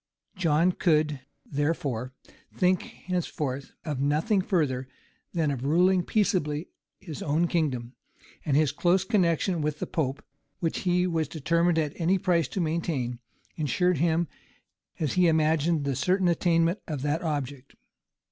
John could, therefore, think henceforth of nothing further than of ruling peaceably his own kingdom; and his close connections with the pope, which he was determined at any price to maintain, insured him, as he imagined the certain attainment of that object.